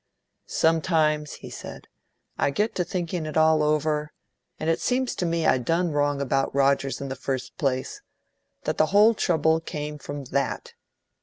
"Sometimes," he said, "I get to thinking it all over, and it seems to me I done wrong about Rogers in the first place; that the whole trouble came from that.